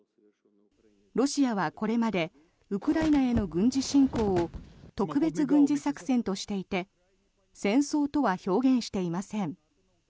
ロシアはこれまでウクライナへの軍事侵攻を特別軍事作戦としていて戦争とは表現していません。